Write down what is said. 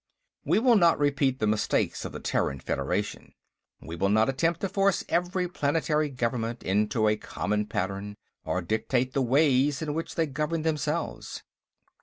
"We will not repeat the mistakes of the Terran Federation. We will not attempt to force every planetary government into a common pattern, or dictate the ways in which they govern themselves.